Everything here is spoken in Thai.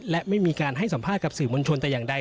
และไม่มีการให้สัมภาษณ์กับสื่อมวลชนแต่อย่างใด